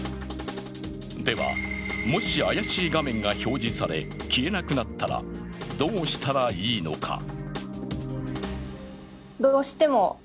では、もし怪しい画面が表示され消えなくなったら、どうしたらいいのか？